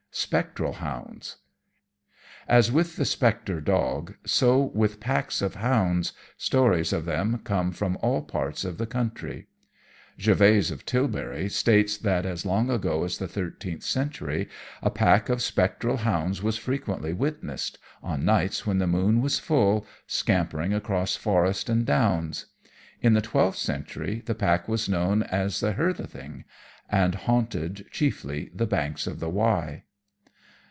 Spectral Hounds As with the spectre dog, so with packs of hounds, stories of them come from all parts of the country. Gervase of Tilbury states that as long ago as the thirteenth century a pack of spectral hounds was frequently witnessed, on nights when the moon was full, scampering across forest and downs. In the twelfth century the pack was known as "the Herlething" and haunted, chiefly, the banks of the Wye.